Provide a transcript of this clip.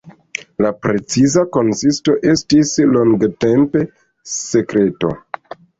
La preciza konsisto estis longtempe sekreto.